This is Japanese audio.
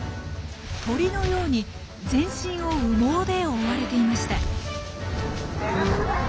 鳥のように全身を羽毛で覆われていました。